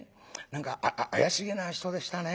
何か怪しげな人でしたね。